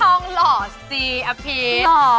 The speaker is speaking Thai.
ทองหล่อสิอาพีช